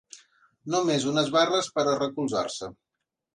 Només unes barres per a recolzar-se.